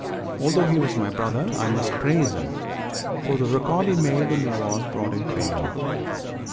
Although he was my brother, I must praise him, for the record he made in the wars brought him fame.